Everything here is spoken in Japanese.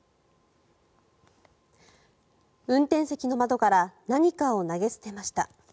運転席の窓から何かを投げ捨てました。